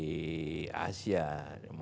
dan juga pusat keuangan di singapura